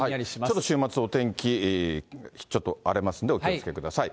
ちょっと週末、お天気、ちょっと荒れますんで、お気をつけください。